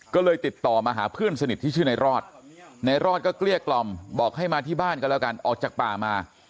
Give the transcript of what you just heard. ก็เลยติดต่อมาหาเพื่อนสนิทที่ชื่อในรอดในรอดก็เกลี้ยกล่อมบอกให้มาที่บ้านก็แล้วกันออกจากป่ามา